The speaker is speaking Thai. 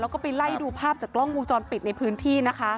แล้วก็ไปไล่ดูภาพจากกล้องวงจรปิดในพื้นที่นะคะ